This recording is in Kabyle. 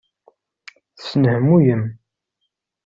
Tesnehmuyem.